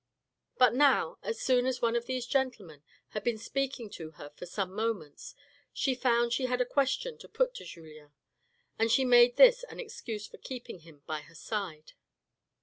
But now, as soon as one of these gentlemen had been speaking to her for some moments, she found she had a question to put to Julien, and she made this an excuse for keeping him by her side.